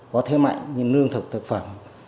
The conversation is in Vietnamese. có thế mạnh như lương thực thực phẩm